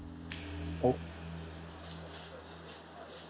おっ。